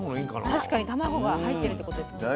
確かに卵が入ってるってことですもん。